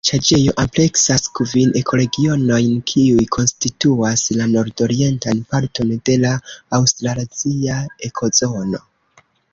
Tiu riĉaĵejo ampleksas kvin ekoregionojn kiuj konstituas la nordorientan parton de la aŭstralazia ekozono.